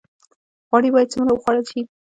غوړي باید څومره وخوړل شي؟